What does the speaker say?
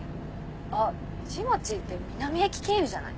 あっ虹町って南駅経由じゃない？